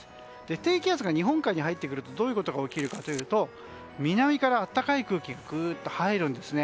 低気圧が日本海に入ってくるとどういうことが起きるかというと南から暖かい空気が入るんですね。